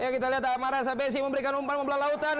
kita lihat amarasa besi memberikan umpan membelah lautan